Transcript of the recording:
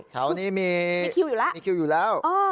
เฉาะนี้มีคิวอยู่แล้ว